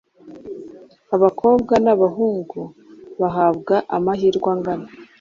Abakobwa n’abahungu bahabwa amahirwe angana,